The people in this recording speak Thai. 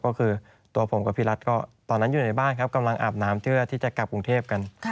ก็คือตัวผมกับพี่รัฐก็ตอนนั้นอยู่ในบ้านครับกำลังอาบน้ำเพื่อที่จะกลับกรุงเทพกัน